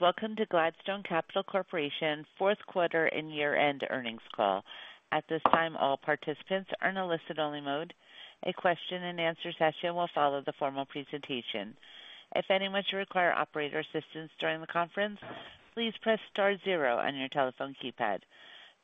Welcome to Gladstone Capital Corporation fourth quarter and year-end earnings call. At this time, all participants are in a listen-only mode. A question-and-answer session will follow the formal presentation. If anyone should require operator assistance during the conference, please press star zero on your telephone keypad.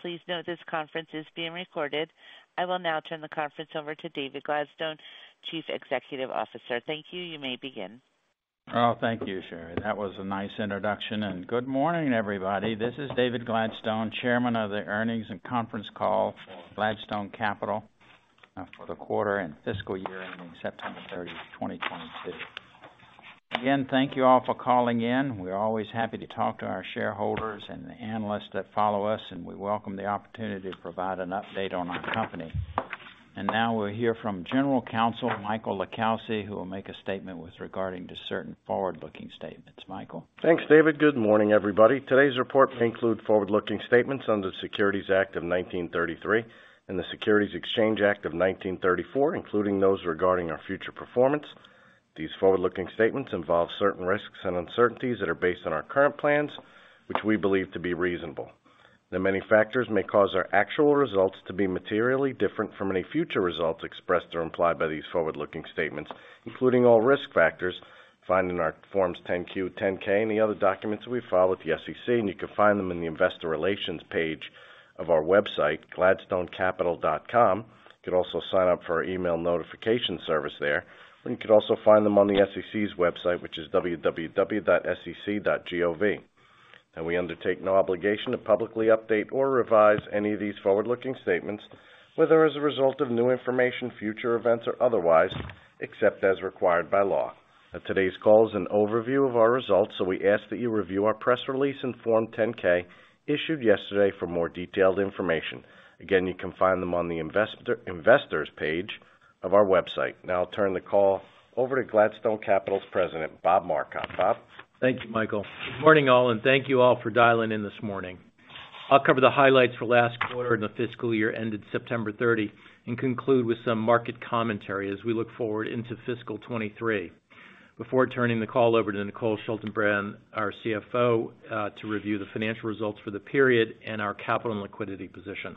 Please note this conference is being recorded. I will now turn the conference over to David Gladstone, Chief Executive Officer. Thank you. You may begin. Oh, thank you, Sherry. That was a nice introduction. Good morning, everybody. This is David Gladstone, chairman of the earnings and conference call for Gladstone Capital, for the quarter and fiscal year ending September thirtieth, 2022. Again, thank you all for calling in. We're always happy to talk to our shareholders and the analysts that follow us, and we welcome the opportunity to provide an update on our company. Now we'll hear from General Counsel Michael LiCalsi, who will make a statement regarding certain forward-looking statements. Michael. Thanks, David. Good morning, everybody. Today's report may include forward-looking statements under the Securities Act of 1933 and the Securities Exchange Act of 1934, including those regarding our future performance. These forward-looking statements involve certain risks and uncertainties that are based on our current plans, which we believe to be reasonable. That many factors may cause our actual results to be materially different from any future results expressed or implied by these forward-looking statements, including all risk factors found in our Forms 10-Q, 10-K and the other documents we file with the SEC. You can find them in the investor relations page of our website, gladstonecapital.com. You can also sign up for our email notification service there. You could also find them on the SEC's website, which is www.sec.gov. We undertake no obligation to publicly update or revise any of these forward-looking statements, whether as a result of new information, future events, or otherwise, except as required by law. Today's call is an overview of our results, so we ask that you review our press release and Form 10-K issued yesterday for more detailed information. Again, you can find them on the investors page of our website. Now I'll turn the call over to Gladstone Capital's President, Bob Marcotte. Bob. Thank you, Michael. Good morning, all, and thank you all for dialing in this morning. I'll cover the highlights for last quarter and the fiscal year ended September 30 and conclude with some market commentary as we look forward into fiscal 2023. Before turning the call over to Nicole Schaltenbrand, our CFO, to review the financial results for the period and our capital and liquidity position.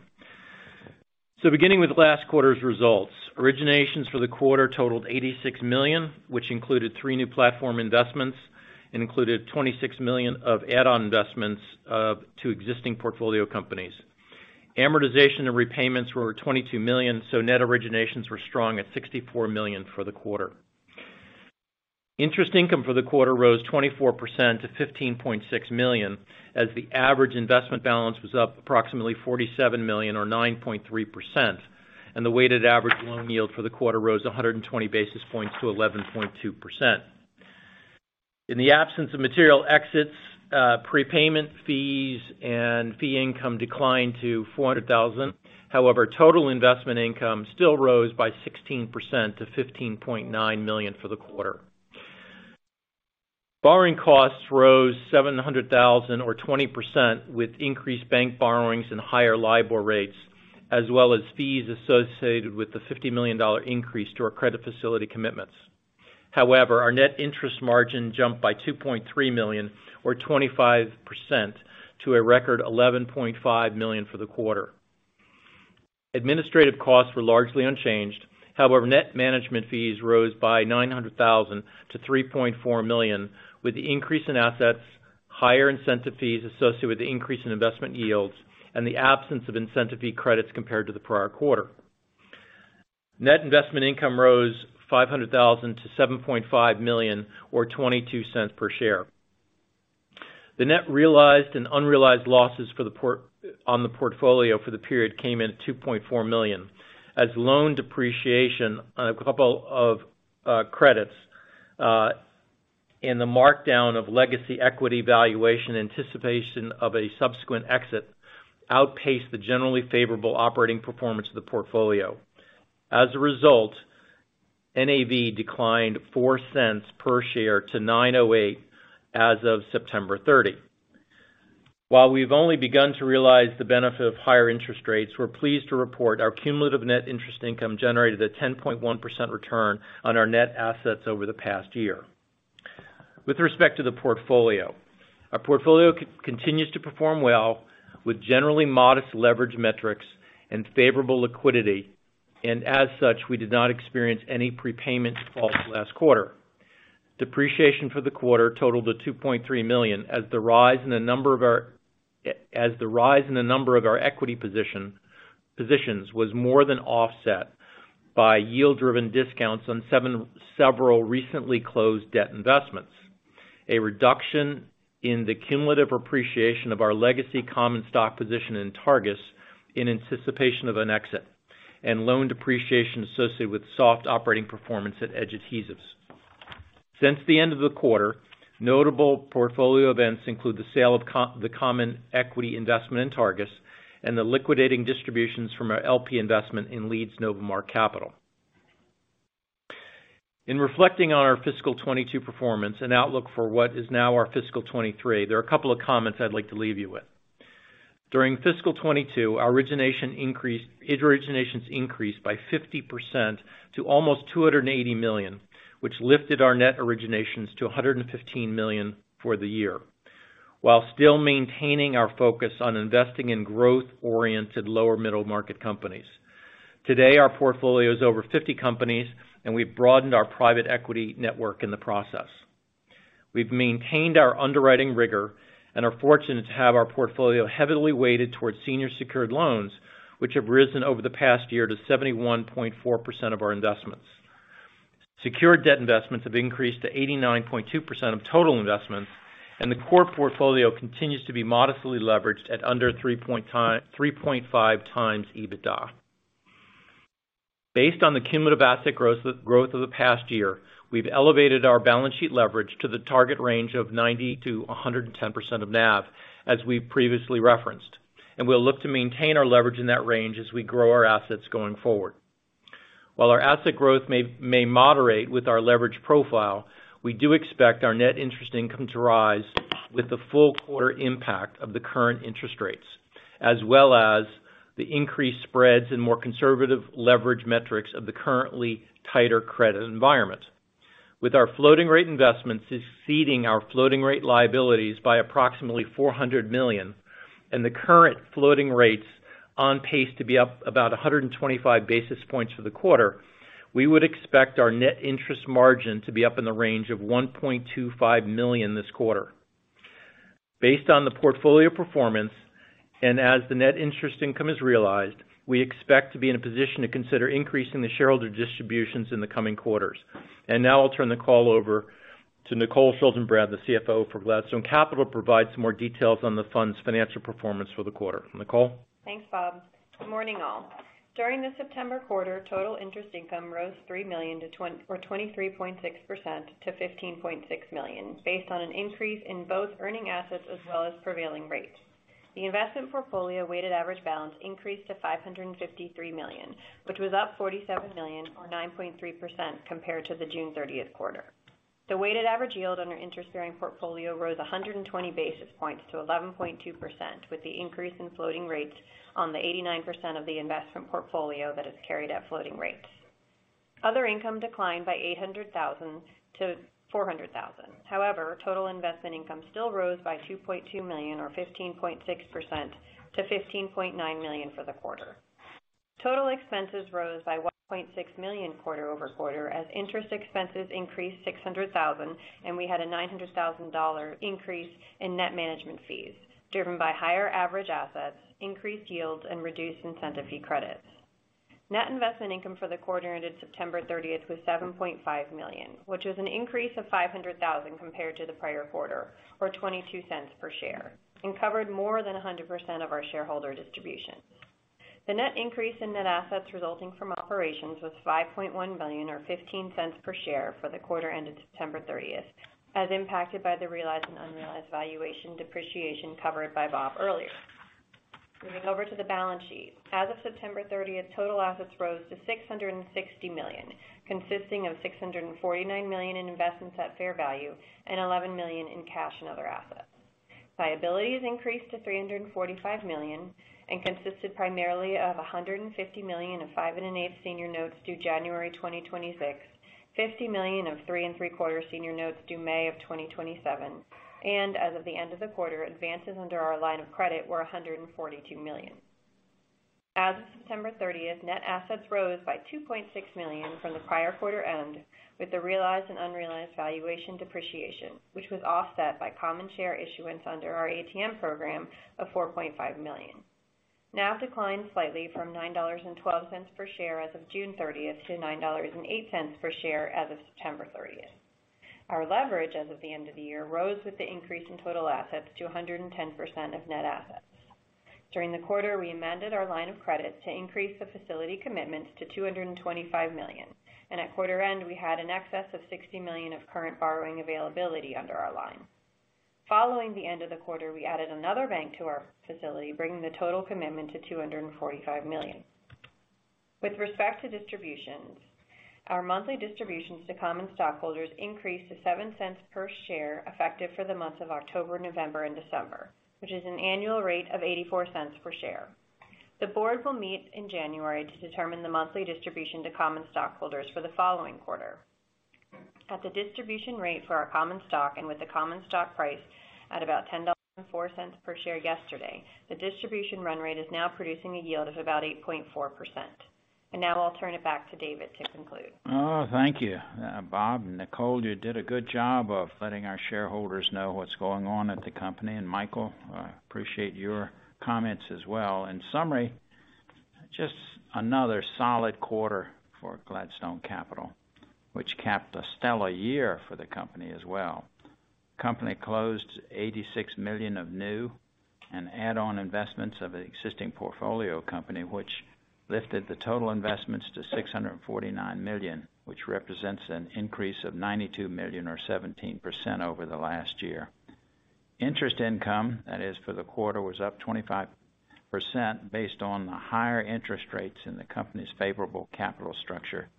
Beginning with last quarter's results, originations for the quarter totaled $86 million, which included three new platform investments and included $26 million of add-on investments to existing portfolio companies. Amortization and repayments were $22 million, so net originations were strong at $64 million for the quarter. Interest income for the quarter rose 24% to $15.6 million, as the average investment balance was up approximately $47 million or 9.3%. The weighted average loan yield for the quarter rose 120 basis points to 11.2%. In the absence of material exits, prepayment fees and fee income declined to $400,000. However, total investment income still rose by 16% to $15.9 million for the quarter. Borrowing costs rose $700,000 or 20%, with increased bank borrowings and higher LIBOR rates, as well as fees associated with the $50 million increase to our credit facility commitments. However, our net interest margin jumped by $2.3 million or 25% to a record $11.5 million for the quarter. Administrative costs were largely unchanged. However, net management fees rose by $900,000 to $3.4 million, with the increase in assets, higher incentive fees associated with the increase in investment yields, and the absence of incentive fee credits compared to the prior quarter. Net investment income rose $500,000 to $7.5 million or $0.22 per share. The net realized and unrealized losses on the portfolio for the period came in at $2.4 million, as loan depreciation on a couple of credits in the markdown of legacy equity valuation anticipation of a subsequent exit outpaced the generally favorable operating performance of the portfolio. As a result, NAV declined $0.04 per share to $9.08 as of September 30. While we've only begun to realize the benefit of higher interest rates, we're pleased to report our cumulative net interest income generated a 10.1% return on our net assets over the past year. With respect to the portfolio, our portfolio continues to perform well with generally modest leverage metrics and favorable liquidity. As such, we did not experience any prepayment defaults last quarter. Depreciation for the quarter totaled to $2.3 million as the rise in the number of our equity positions was more than offset by yield-driven discounts on several recently closed debt investments, a reduction in the cumulative appreciation of our legacy common stock position in Targus in anticipation of an exit, and loan depreciation associated with soft operating performance at Edge Adhesives. Since the end of the quarter, notable portfolio events include the sale of the common equity investment in Targus and the liquidating distributions from our LP investment in Leeds Novamark Capital. In reflecting on our fiscal 2022 performance and outlook for what is now our fiscal 2023, there are a couple of comments I'd like to leave you with. During fiscal 2022, our originations increased by 50% to almost $280 million, which lifted our net originations to $115 million for the year, while still maintaining our focus on investing in growth-oriented lower middle-market companies. Today, our portfolio is over 50 companies, and we've broadened our private equity network in the process. We've maintained our underwriting rigor and are fortunate to have our portfolio heavily weighted towards senior secured loans, which have risen over the past year to 71.4% of our investments. Secured debt investments have increased to 89.2% of total investments, and the core portfolio continues to be modestly leveraged at under 3.5x EBITDA. Based on the cumulative asset growth of the past year, we've elevated our balance sheet leverage to the target range of 90%-110% of NAV, as we previously referenced, and we'll look to maintain our leverage in that range as we grow our assets going forward. While our asset growth may moderate with our leverage profile, we do expect our net interest income to rise with the full quarter impact of the current interest rates, as well as the increased spreads and more conservative leverage metrics of the currently tighter credit environment. With our floating rate investments exceeding our floating rate liabilities by approximately $400 million and the current floating rates on pace to be up about 125 basis points for the quarter, we would expect our net interest margin to be up in the range of $1.25 million this quarter. Based on the portfolio performance, and as the net interest income is realized, we expect to be in a position to consider increasing the shareholder distributions in the coming quarters. Now I'll turn the call over to Nicole Schaltenbrand, the CFO for Gladstone Capital, provide some more details on the fund's financial performance for the quarter. Nicole. Thanks, Bob. Good morning, all. During the September quarter, total interest income rose 23.6% to $15.6 million, based on an increase in both earning assets as well as prevailing rates. The investment portfolio weighted average balance increased to $553 million, which was up $47 million or 9.3% compared to the June 30 quarter. The weighted average yield on our interest-bearing portfolio rose 120 basis points to 11.2%, with the increase in floating rates on the 89% of the investment portfolio that is carried at floating rates. Other income declined by $800,000 to $400,000. However, total investment income still rose by $2.2 million or 15.6% to $15.9 million for the quarter. Total expenses rose by $1.6 million quarter-over-quarter as interest expenses increased $600,000 and we had a $900,000 increase in net management fees driven by higher average assets, increased yields, and reduced incentive fee credits. Net investment income for the quarter ended September 30 was $7.5 million, which was an increase of $500,000 compared to the prior quarter, or $0.22 per share, and covered more than 100% of our shareholder distributions. The net increase in net assets resulting from operations was $5.1 million or $0.15 per share for the quarter ended September 30, as impacted by the realized and unrealized valuation depreciation covered by Bob earlier. Moving over to the balance sheet. As of September 30, total assets rose to $660 million, consisting of $649 million in investments at fair value and $11 million in cash and other assets. Liabilities increased to $345 million and consisted primarily of $150 million of 5 7/8 senior notes due January 2026, $50 million of 3 3/4 senior notes due May 2027. As of the end of the quarter, advances under our line of credit were $142 million. As of September 30, net assets rose by $2.6 million from the prior quarter end with the realized and unrealized valuation depreciation, which was offset by common share issuance under our ATM program of $4.5 million. NAV declined slightly from $9.12 per share as of June 30th to $9.08 per share as of September 30th. Our leverage as of the end of the year rose with the increase in total assets to 110% of net assets. During the quarter, we amended our line of credit to increase the facility commitments to $225 million, and at quarter end, we had an excess of $60 million of current borrowing availability under our line. Following the end of the quarter, we added another bank to our facility, bringing the total commitment to $245 million. With respect to distributions, our monthly distributions to common stockholders increased to $0.07 per share, effective for the months of October, November, and December, which is an annual rate of $0.84 per share. The board will meet in January to determine the monthly distribution to common stockholders for the following quarter. At the distribution rate for our common stock and with the common stock price at about $10.04 per share yesterday, the distribution run rate is now producing a yield of about 8.4%. Now I'll turn it back to David to conclude. Oh, thank you, Bob. Nicole, you did a good job of letting our shareholders know what's going on at the company. Michael, I appreciate your comments as well. In summary, just another solid quarter for Gladstone Capital, which capped a stellar year for the company as well. The company closed $86 million of new and add-on investments in an existing portfolio company, which lifted the total investments to $649 million, which represents an increase of $92 million or 17% over the last year. Interest income, that is for the quarter, was up 25% based on the higher interest rates in the company's favorable capital structure.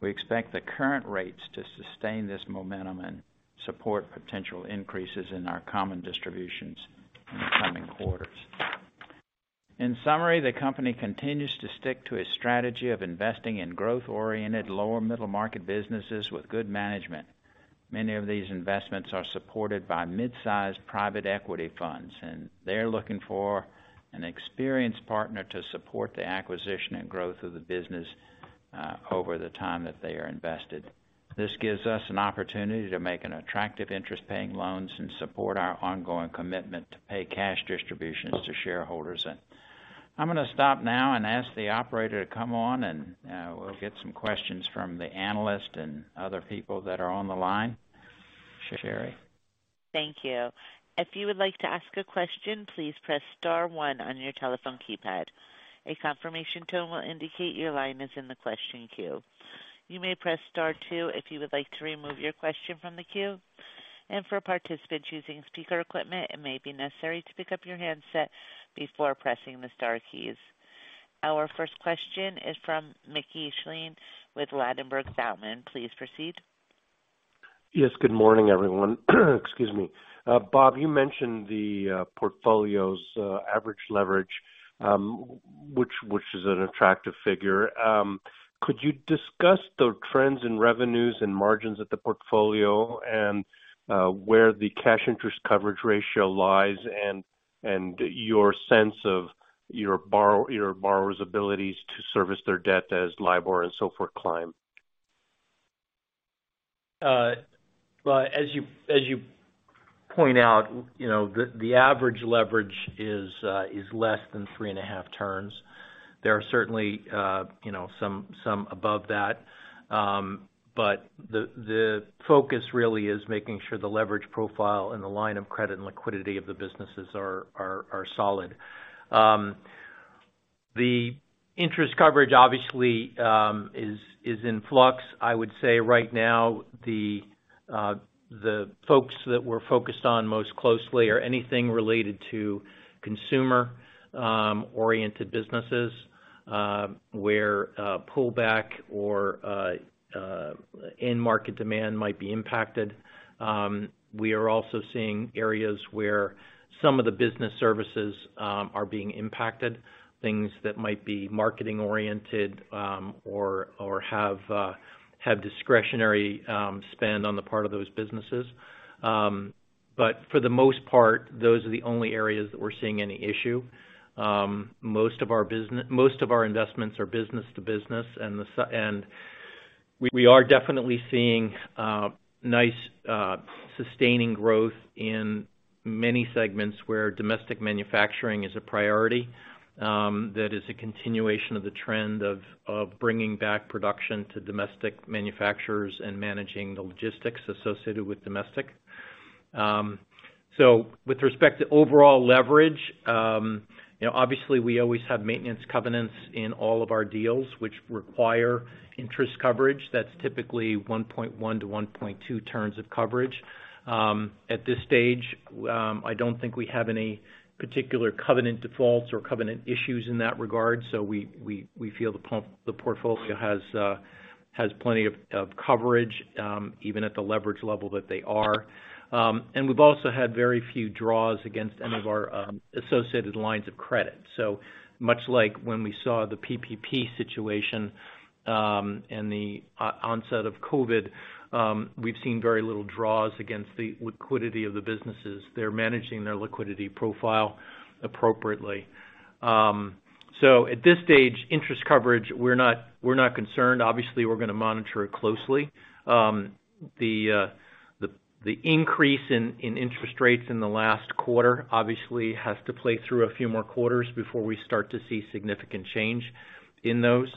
We expect the current rates to sustain this momentum and support potential increases in our common distributions in the coming quarters. In summary, the company continues to stick to a strategy of investing in growth-oriented, lower middle market businesses with good management. Many of these investments are supported by mid-sized private equity funds, and they're looking for an experienced partner to support the acquisition and growth of the business over the time that they are invested. This gives us an opportunity to make an attractive interest-paying loans and support our ongoing commitment to pay cash distributions to shareholders. I'm gonna stop now and ask the operator to come on and we'll get some questions from the analyst and other people that are on the line. Sherry. Thank you. If you would like to ask a question, please press star one on your telephone keypad. A confirmation tone will indicate your line is in the question queue. You may press star two if you would like to remove your question from the queue. For a participant choosing speaker equipment, it may be necessary to pick up your handset before pressing the star keys. Our first question is from Mickey Schleien with Ladenburg Thalmann. Please proceed. Yes, good morning, everyone. Excuse me. Bob, you mentioned the portfolio's average leverage, which is an attractive figure. Could you discuss the trends in revenues and margins of the portfolio and where the cash interest coverage ratio lies and your sense of your borrower's abilities to service their debt as LIBOR and so forth climb? Well, as you point out, you know, the average leverage is less than 3.5 turns. There are certainly, you know, some above that. The focus really is making sure the leverage profile and the line of credit and liquidity of the businesses are solid. The interest coverage obviously is in flux. I would say right now the folks that we're focused on most closely are anything related to consumer oriented businesses, where a pullback or an end-market demand might be impacted. We are also seeing areas where some of the business services are being impacted, things that might be marketing oriented, or have discretionary spend on the part of those businesses. For the most part, those are the only areas that we're seeing any issue. Most of our investments are business to business. We are definitely seeing nice sustaining growth in many segments where domestic manufacturing is a priority. That is a continuation of the trend of bringing back production to domestic manufacturers and managing the logistics associated with domestic. With respect to overall leverage, you know, obviously we always have maintenance covenants in all of our deals which require interest coverage. That's typically 1.1-1.2 terms of coverage. At this stage, I don't think we have any particular covenant defaults or covenant issues in that regard. We feel the portfolio has plenty of coverage, even at the leverage level that they are. We've also had very few draws against any of our associated lines of credit. Much like when we saw the PPP situation and the onset of COVID, we've seen very little draws against the liquidity of the businesses. They're managing their liquidity profile appropriately. At this stage, interest coverage, we're not concerned. Obviously, we're gonna monitor it closely. The increase in interest rates in the last quarter obviously has to play through a few more quarters before we start to see significant change in those.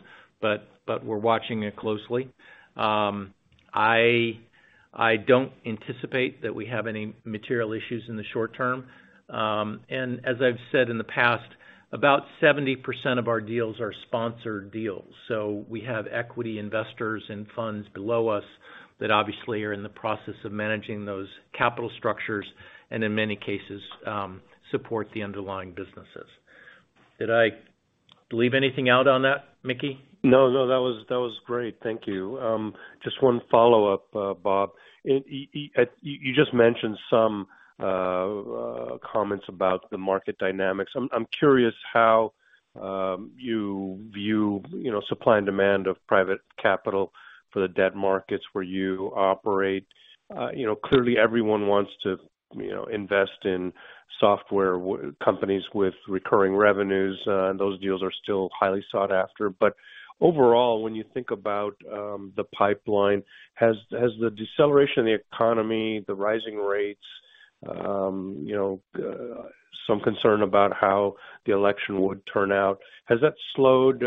We're watching it closely. I don't anticipate that we have any material issues in the short term. As I've said in the past, about 70% of our deals are sponsored deals. We have equity investors and funds below us that obviously are in the process of managing those capital structures and in many cases, support the underlying businesses. Did I leave anything out on that, Mickey? No, that was great. Thank you. Just one follow-up, Bob. You just mentioned some comments about the market dynamics. I'm curious how you view, you know, supply and demand of private capital for the debt markets where you operate. You know, clearly everyone wants to, you know, invest in software companies with recurring revenues, and those deals are still highly sought after. Overall, when you think about the pipeline, has the deceleration of the economy, the rising rates, you know, some concern about how the election would turn out, has that slowed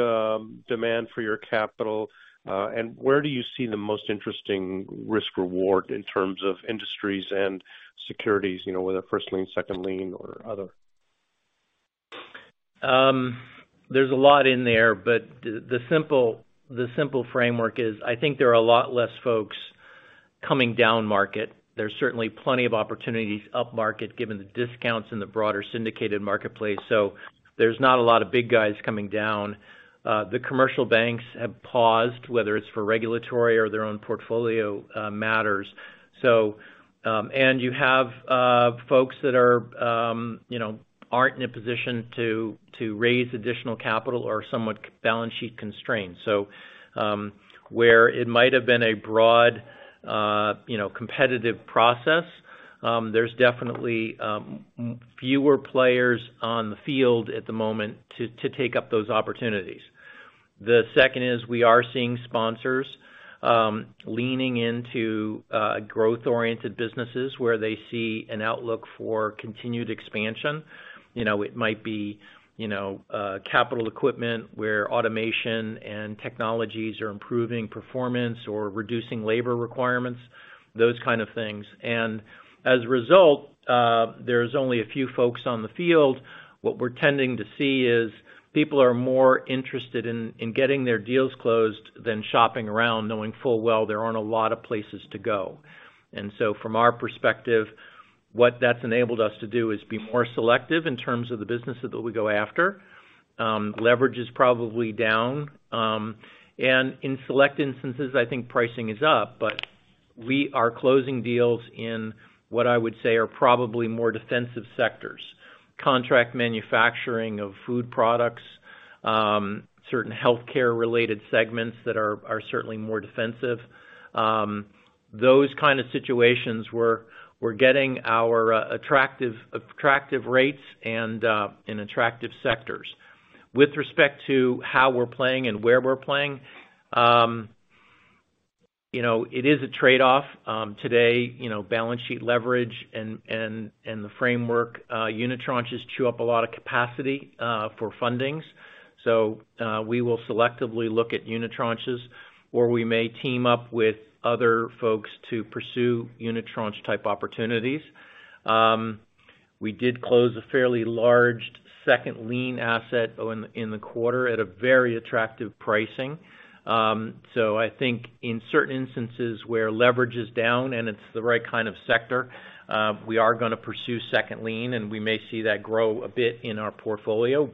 demand for your capital? And where do you see the most interesting risk reward in terms of industries and securities, you know, whether first lien, second lien or other? There's a lot in there, but the simple framework is, I think there are a lot less folks coming down market. There's certainly plenty of opportunities up market, given the discounts in the broader syndicated marketplace. There's not a lot of big guys coming down. The commercial banks have paused, whether it's for regulatory or their own portfolio matters. You have folks that are aren't in a position to raise additional capital or are somewhat balance sheet constrained. Where it might have been a broad competitive process, there's definitely fewer players on the field at the moment to take up those opportunities. The second is we are seeing sponsors leaning into growth-oriented businesses, where they see an outlook for continued expansion. You know, it might be, you know, capital equipment where automation and technologies are improving performance or reducing labor requirements, those kind of things. As a result, there's only a few folks on the field. What we're tending to see is people are more interested in getting their deals closed than shopping around, knowing full well there aren't a lot of places to go. From our perspective, what that's enabled us to do is be more selective in terms of the businesses that we go after. Leverage is probably down. In select instances, I think pricing is up, but we are closing deals in what I would say are probably more defensive sectors. Contract manufacturing of food products, certain healthcare-related segments that are certainly more defensive. Those kind of situations where we're getting our attractive rates and in attractive sectors. With respect to how we're playing and where we're playing, you know, it is a trade-off. Today, you know, balance sheet leverage and the framework, unitranches chew up a lot of capacity for fundings. We will selectively look at unitranches, or we may team up with other folks to pursue unitranche type opportunities. We did close a fairly large second lien asset in the quarter at a very attractive pricing. I think in certain instances where leverage is down and it's the right kind of sector, we are gonna pursue second lien, and we may see that grow a bit in our portfolio.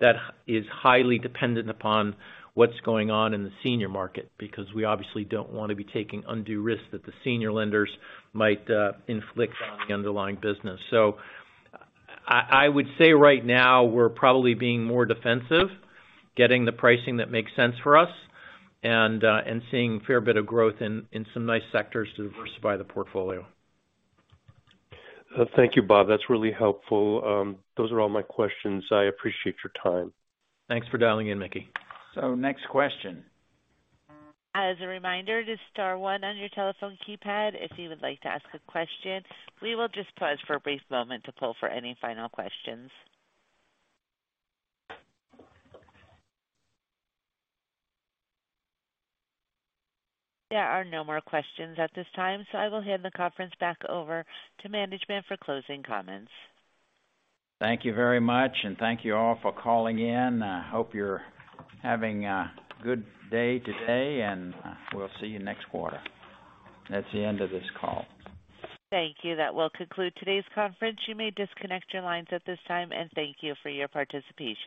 That is highly dependent upon what's going on in the senior market, because we obviously don't wanna be taking undue risks that the senior lenders might inflict on the underlying business. I would say right now we're probably being more defensive, getting the pricing that makes sense for us, and seeing a fair bit of growth in some nice sectors to diversify the portfolio. Thank you, Bob. That's really helpful. Those are all my questions. I appreciate your time. Thanks for dialing in, Mickey. Next question. As a reminder, just star one on your telephone keypad if you would like to ask a question. We will just pause for a brief moment to poll for any final questions. There are no more questions at this time, so I will hand the conference back over to management for closing comments. Thank you very much, and thank you all for calling in. I hope you're having a good day today, and we'll see you next quarter. That's the end of this call. Thank you. That will conclude today's conference. You may disconnect your lines at this time, and thank you for your participation.